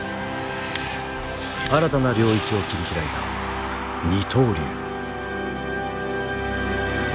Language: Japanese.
新たな領域を切り開いた二刀流。